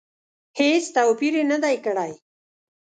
هېڅ توپیر یې نه دی کړی.